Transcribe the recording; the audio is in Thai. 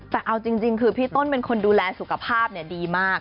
แต่เอาจริงคือพี่ต้นเป็นคนดูแลสุขภาพดีมาก